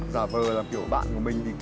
giả vờ là kiểu bạn của mình